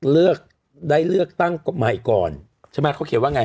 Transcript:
เลือกได้เลือกตั้งใหม่ก่อนใช่ไหมเขาเขียนว่าไง